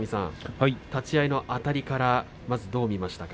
立ち合いのあたりからまずどう見ましたか？